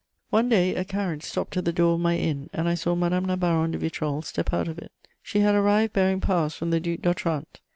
One day a carriage stopped at the door of my inn, and I saw Madame la Baronne de Vitrolles step out of it: she had arrived bearing powers from the Duc d'Otrante.